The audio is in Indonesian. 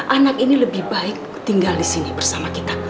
anak ini lebih baik tinggal di sini bersama kita